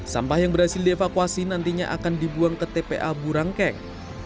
sampah yang berhasil dievakuasi nantinya akan dibuang ke tpa burangkeng